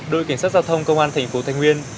đội cảnh sát giao thông công an thành phố thái nguyên